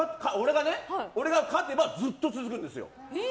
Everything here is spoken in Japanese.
俺が勝てばずっと続くんですよ。